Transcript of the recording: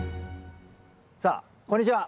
さあこんにちは！